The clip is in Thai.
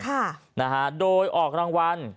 ก็ถือว่าถูกเหมือนกัน